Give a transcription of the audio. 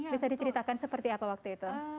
bisa diceritakan seperti apa waktu itu